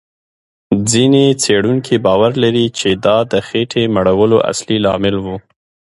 ځینې څېړونکي باور لري، چې دا د خېټې مړولو اصلي لامل و.